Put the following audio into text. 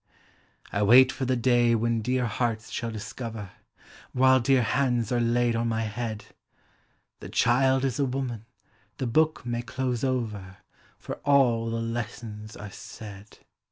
I wait for the day when dear hearts shall discover. While dear hands are laid on my head; kt The child is a woman, the book may close over, For all the lessons are said."